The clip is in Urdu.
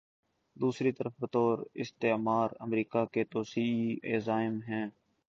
دوسری طرف بطور استعمار، امریکہ کے توسیعی عزائم ہیں۔